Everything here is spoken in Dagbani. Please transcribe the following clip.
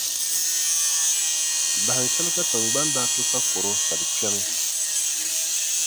Dahinshɛli ka Tiŋgbani daa to sakɔro ka di kpɛmi.